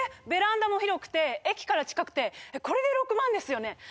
ベランダも広くて駅から近くてこれで６万ですよね